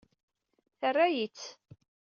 Terra-yi-tt.